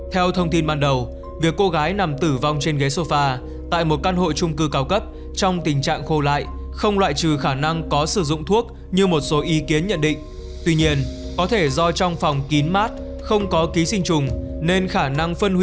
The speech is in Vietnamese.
hãy đăng ký kênh để ủng hộ kênh của chúng mình nhé